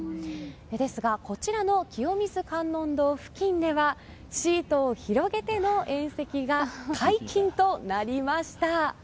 ですがこちらの清水観音堂付近ではシートを広げての宴席が解禁となりました。